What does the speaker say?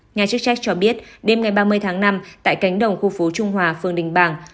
nhà chức trách cho biết đêm ngày ba mươi tháng năm tại cánh đồng khu phố trung hòa phường đình bàng